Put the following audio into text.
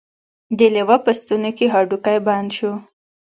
د لیوه په ستوني کې هډوکی بند شو.